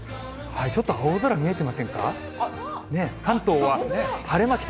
ちょっと青空見えてませんか？